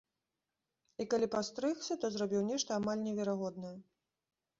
І калі пастрыгся, то зрабіў нешта амаль неверагоднае.